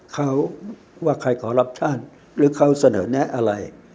เขาว่าใครขอรับท่านหรือเขาเสนอแนะอะไร